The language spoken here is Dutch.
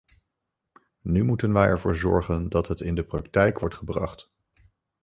Nu moeten wij ervoor zorgen dat het in de praktijk wordt gebracht.